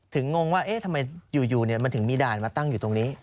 งงว่าเอ๊ะทำไมอยู่มันถึงมีด่านมาตั้งอยู่ตรงนี้